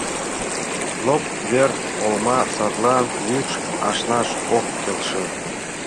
Лоп вер олма садлан, мӱкш ашнаш ок келше.